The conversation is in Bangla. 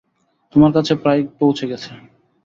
তোমার কাছে প্রায় পৌঁছে গেছে।